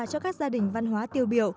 cho các gia đình văn hóa tiêu biểu